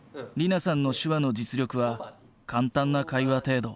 莉菜さんの手話の実力は簡単な会話程度。